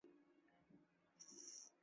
粘蓼为蓼科蓼属下的一个种。